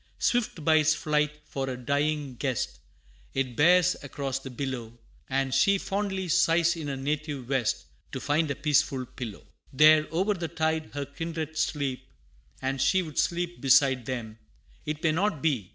Swift be its flight! for a dying guest It bears across the billow, And she fondly sighs in her native West To find a peaceful pillow. There, o'er the tide, her kindred sleep, And she would sleep beside them It may not be!